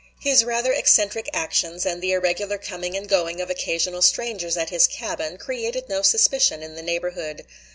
His rather eccentric actions, and the irregular coming and going of occasional strangers at his cabin, created no suspicion in the neighborhood.